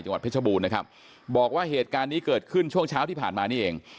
เพชรบูรณ์นะครับบอกว่าเหตุการณ์นี้เกิดขึ้นช่วงเช้าที่ผ่านมานี่เอง